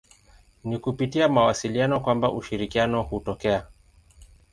Ni kupitia mawasiliano kwamba ushirikiano hutokea.